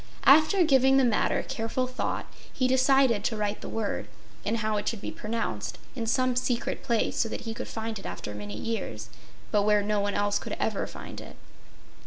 After giving the matter careful thought, he decided to write the word, and how it should be pronounced, in some secret place, so that he could find it after many years, but where no one else could ever find it.